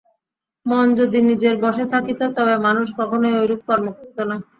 মন যদি নিজের বশে থাকিত, তবে মানুষ কখনই ঐরূপ কর্ম করিত না।